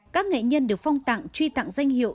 các nghệ nhân được phong tặng truy tặng danh hiệu